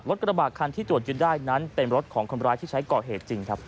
กระบาดคันที่ตรวจยึดได้นั้นเป็นรถของคนร้ายที่ใช้ก่อเหตุจริงครับ